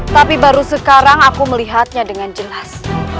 tapi baru sekarang aku melihatnya dengan jelas